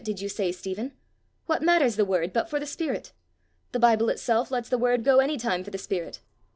did you say, Stephen? What matters the word but for the spirit? The Bible itself lets the word go any time for the spirit!